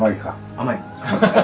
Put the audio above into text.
甘い。